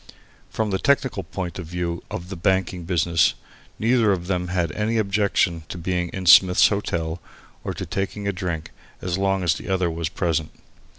From the technical point of view of the banking business, neither of them had any objection to being in Smith's Hotel or to taking a drink as long as the other was present.